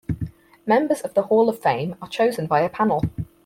Members of the Hall of Fame are chosen by a panel.